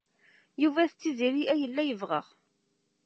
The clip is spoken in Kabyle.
Yuba d Tiziri ay yella yebɣa.